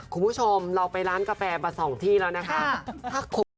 คุณผู้ชมเราไปร้านกาแฟมา๒ที่แล้วนะคะ